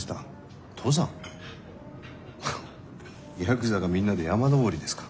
ヤクザがみんなで山登りですか。